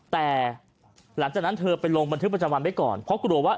แต่หลังจากนั้นเธอไปลงบันทึกประจำวันไว้ก่อนเพราะกลัวว่า